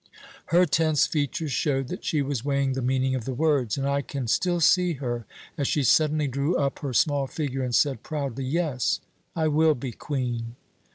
Her tense features showed that she was weighing the meaning of the words, and I can still see her as she suddenly drew up her small figure, and said proudly, 'Yes, I will be Queen!'